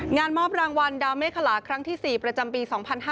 งานมอบรางวัลดาวเมฆคลาครั้งที่๔ประจำปี๒๕๕๙